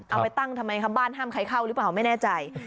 เอาไปตั้งทำไมครับบ้านห้ามใครเข้าหรือเปล่าไม่แน่ใจ